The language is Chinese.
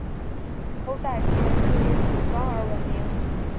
欧塞迪雷斯因酒庄而闻名。